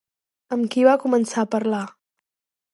Amb qui va començar a parlar?